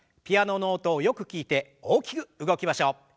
ピアノの音をよく聞いて大きく動きましょう。